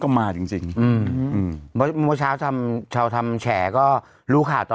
แล้วก็มาจริงจริงอืมบอกว่าเช้าจำเช้าทำแฉก็รู้ข่าวตอน